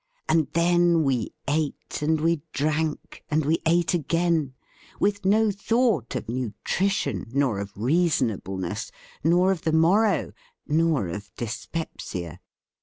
And then we ate, and we drank, and we ate again ; with no thought of nutri tion, nor of reasonableness, nor of the morrow, nor of dyspepsia.